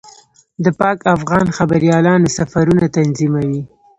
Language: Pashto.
د پاک افغان خبریالانو سفرونه تنظیموي.